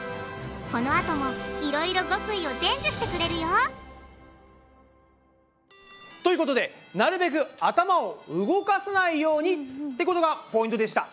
このあともいろいろ極意を伝授してくれるよ！ということでなるべく頭を動かさないようにってことがポイントでした！